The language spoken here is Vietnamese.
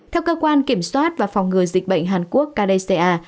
theo cơ quan kiểm soát và phòng ngừa dịch bệnh hàn quốc kdca